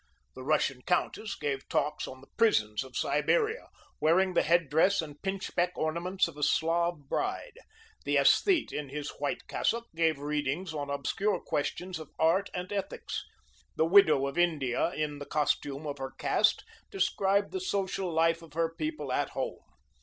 The Russian Countess gave talks on the prisons of Siberia, wearing the headdress and pinchbeck ornaments of a Slav bride; the Aesthete, in his white cassock, gave readings on obscure questions of art and ethics. The widow of India, in the costume of her caste, described the social life of her people at home.